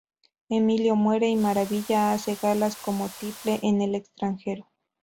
Emilio muere y Maravilla hace galas como tiple en el extranjero.